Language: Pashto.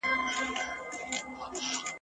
نه مي چیغي سوای تر کوره رسېدلای !.